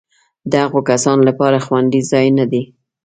د هغو کسانو لپاره خوندي ځای نه دی.